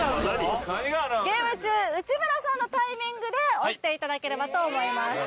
ゲーム中内村さんのタイミングで押していただければと思います